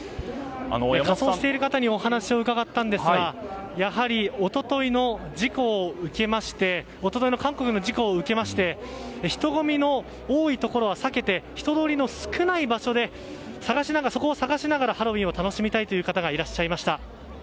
仮装している方にお話を伺ったんですがやはり、一昨日の韓国の事故を受けまして人ごみの多いところは避けて人ごみの少ないところでそこを探しながらハロウィーンを楽しみたいという方がいらっしゃいました。